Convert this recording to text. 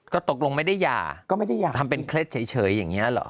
ก็ตกลงไม่ได้หย่าทำเป็นเคล็ดเฉยอย่างนี้หรอ